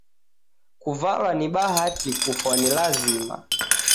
Kuvalwa ni bahati kufwa ni lazima.